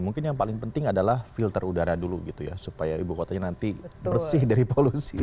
mungkin yang paling penting adalah filter udara dulu gitu ya supaya ibu kotanya nanti bersih dari polusi